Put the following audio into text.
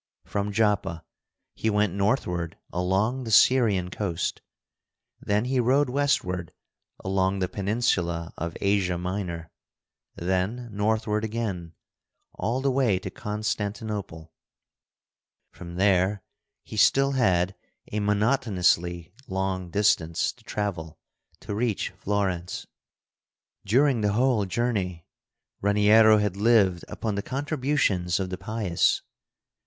From Joppa he went northward along the Syrian coast. Then he rode westward along the peninsula of Asia Minor, then northward again, all the way to Constantinople. From there he still had a monotonously long distance to travel to reach Florence. During the whole journey Raniero had lived upon the contributions of the pious.